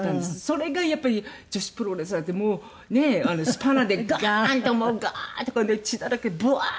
それがやっぱり女子プロレスなんてもうねえスパナでガーンとガーンって血だらけブワー！